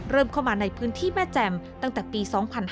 เข้ามาในพื้นที่แม่แจ่มตั้งแต่ปี๒๕๕๙